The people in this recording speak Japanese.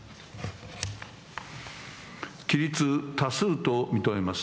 起立多数と認めます。